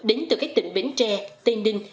đến từ các tỉnh bến tre tên đinh